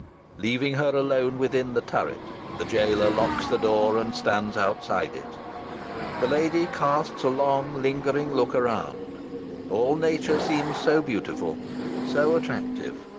Leaving her alone within the turret, the jailer locks the door and stands outside it. The lady casts a long, lingering look around. All nature seems so beautiful so attractive.